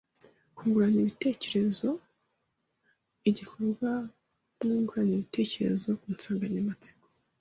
Kungurana ibitekerezo Igikorwa Mwungurane ibitekerezo ku nsanganyamatsiko